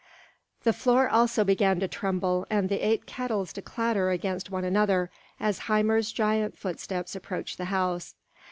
The floor also began to tremble, and the eight kettles to clatter against one another, as Hymir's giant footsteps approached the house.